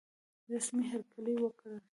رسمي هرکلی وکړ.